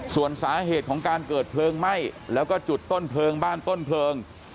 ส่วนสาเหตุของการเกิดเพลิงไหม้แล้วก็จุดต้นเพลิงบ้านต้นเพลิง